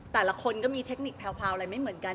แต่ละคนก็มีเทคนิคแพรวอะไรไม่เหมือนกัน